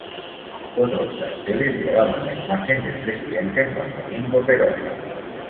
Otros carteles llevaban la imagen del Presidente Juan Domingo Perón.